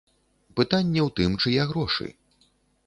Пытанне ў тым, чые грошы.